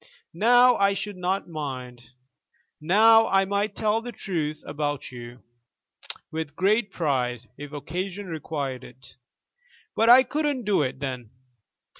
Now I should not mind. Now I might tell the truth about you, with great pride, if occasion required it. But I couldn't do it then.